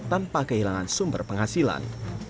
tanpa kehilangan sumber penghasilan